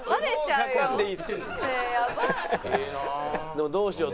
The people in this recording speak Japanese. でもどうしよう。